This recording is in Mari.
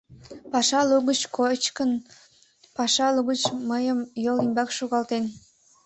— Паша лугыч кочкын, паша лугыч мыйым йол ӱмбак шогалтен.